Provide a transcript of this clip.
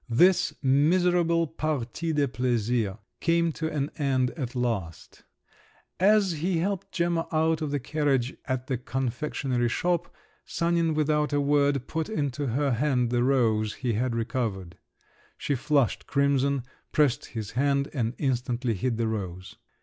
This miserable partie de plaisir came to an end at last. As he helped Gemma out of the carriage at the confectionery shop, Sanin without a word put into her hand the rose he had recovered. She flushed crimson, pressed his hand, and instantly hid the rose.